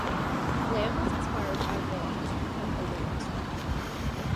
Lam was inspired by Wong to become a lyrics writer.